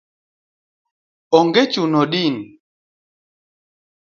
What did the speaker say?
onge chuno din